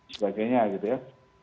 sebagainya gitu ya